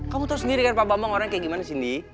kamu tau sendiri kan pak mbak bang orangnya kayak gimana sindi